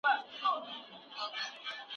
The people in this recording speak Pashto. ایا ماشومانو ته مو د سفر دعاګانې یادې کړې دي؟